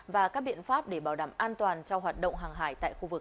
và các biện pháp để bảo đảm an toàn cho hoạt động hàng hải tại khu vực